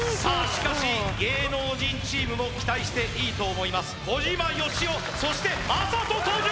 しかし芸能人チームも期待していいと思います小島よしおそして魔裟斗登場！